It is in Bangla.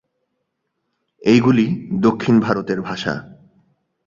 এইগুলি দক্ষিণ ভারতের ভাষা।